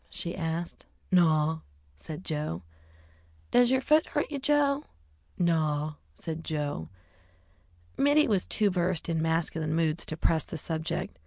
she asked. "Naw," said Joe. "Does yer foot hurt you, Joe?" "Naw," said Joe. Mittie was too versed in masculine moods to press the subject.